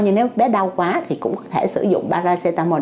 nhưng nếu bé đau quá thì cũng có thể sử dụng paracetamol